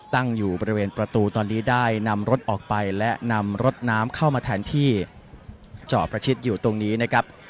ตั้งอยู่บริเวณประตูตอนนี้ได้นำรถออกไปและนำรถน้ำเข้ามาแทนที่จอดประชิดอยู่ตรงนี้นะครับ